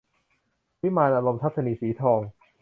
วิมานอารมณ์ - ทัศนีย์ สีทอง